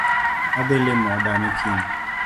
Adhii limo dani kiny